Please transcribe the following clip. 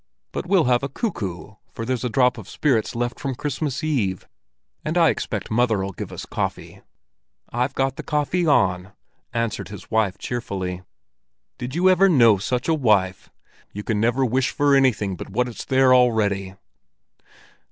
"But we'll have a 'cuckoo,' for there's a drop of spirits left from Christmas Eve, and I expect mother'll give us coffee." "I've got the coffee on," answered his wife cheerfully. "Did you ever know such a wife! You can never wish for anything but what it's there already!"